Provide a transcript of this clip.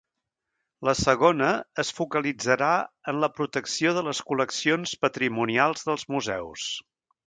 La segona es focalitzarà en la protecció de les col·leccions patrimonials dels museus.